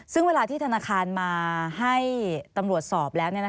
ซึ่งเวลาที่ธนาคารมาให้ตำรวจสอบแล้ว